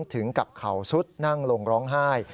ถึงกับเข่าซุดนั่งลงร้องไห้